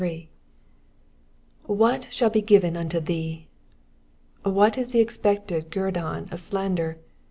'•'•Wkat shaU he given unto theeV'^ What is the expected ^erdon of slander?